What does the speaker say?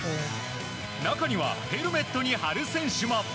中にはヘルメットに貼る選手も。